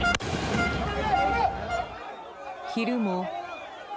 昼も。